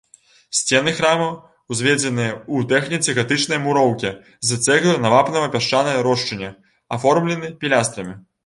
Сцены храма, узведзеныя ў тэхніцы гатычнай муроўкі з цэглы на вапнава-пясчанай рошчыне, аформлены пілястрамі.